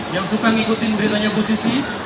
yang suka ngikutin berita nya bu susi